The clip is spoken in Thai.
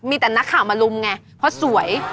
มีแต่นักข่าวมาลุมไงเพราะสวย